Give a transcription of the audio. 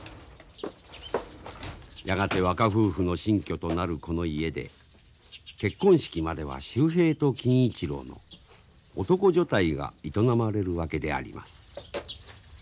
やがて若夫婦の新居となるこの家で結婚式までは秀平と欽一郎の男所帯が営まれるわけであります。